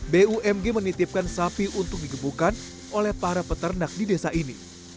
bumg menitipkan sapi untuk digebukan oleh para peternak di desa ini